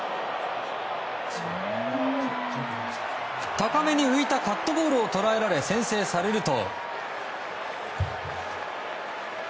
高めに浮いたカットボールを捉えられ先制されると。